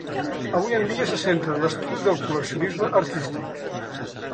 Avui en dia se centra en l'estudi del col·leccionisme artístic.